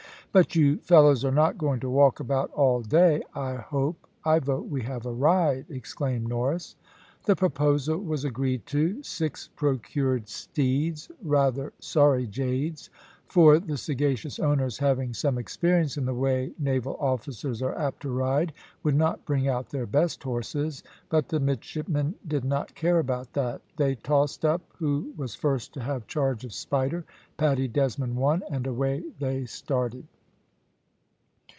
"But you fellows are not going to walk about all day, I hope. I vote we have a ride," exclaimed Norris. The proposal was agreed to. Six procured steeds rather sorry jades; for the sagacious owners, having some experience of the way naval officers are apt to ride, would not bring out their best horses, but the midshipmen did not care about that. They tossed up who was first to have charge of Spider. Paddy Desmond won, and away they started.